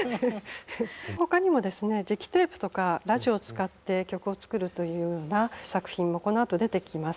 ほかにもですね磁気テープとかラジオを使って曲を作るというような作品もこのあと出てきます。